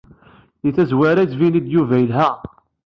Di tazwara yettbin-d Yuba yelha.